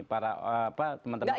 para teman teman oposisi